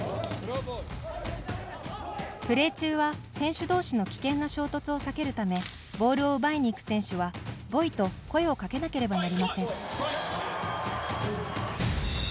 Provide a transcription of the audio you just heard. プレー中は、選手同士の危険な衝突を避けるためボールを奪いに行く選手は「ＶＯＹ！」と声を掛けなければなりません。